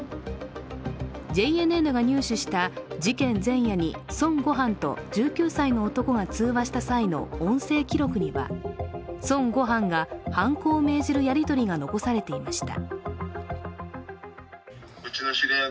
ＪＮＮが入手した事件前夜に孫悟飯と１９歳の男が通話した際の音声記録には孫悟飯が犯行を命じるやり取りが残されていました。